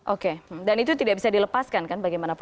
oke dan itu tidak bisa dilepaskan kan bagaimanapun